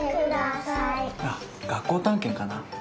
あっ学校たんけんかな？